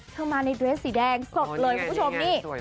มาในเดรสสีแดงสดเลยคุณผู้ชมนี่